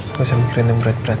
gak usah mikirin yang berat berat